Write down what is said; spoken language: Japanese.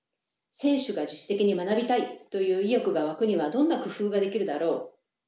選手が自主的に学びたいという意欲が湧くにはどんな工夫ができるだろう？